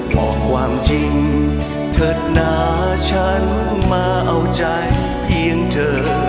บอกความจริงเถิดหนาฉันมาเอาใจเพียงเธอ